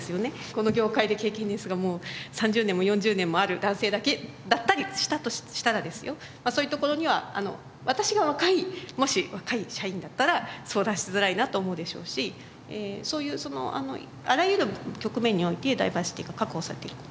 この業界で経験年数がもう３０年も４０年もある男性だけだったりしたとしたらですよそういう所には私が若いもし若い社員だったら相談しづらいなと思うでしょうしそういうそのあらゆる局面においてダイバーシティーが確保されている事。